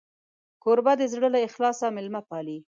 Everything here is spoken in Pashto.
کوربه د زړه له اخلاصه میلمه پالي.